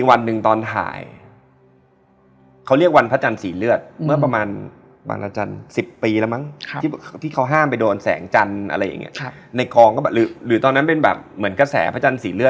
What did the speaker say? อันนี้ไม่รู้นะพี่ขอยาอะไรอันนี้คือไม่รู้